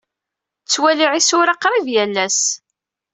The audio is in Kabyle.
Ttwaliɣ isura qrib yal ass.